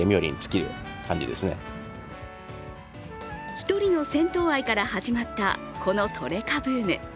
一人の銭湯愛から始まった、このトレカブーム。